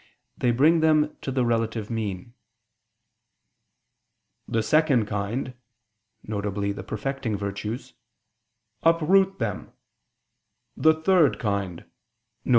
they bring them to the relative mean; "the second kind," viz. the perfecting virtues, "uproot them"; "the third kind," viz.